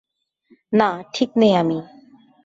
না, ঠিক নেই আমি।